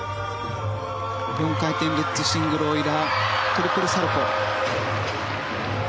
４回転ルッツシングルオイラートリプルサルコウ。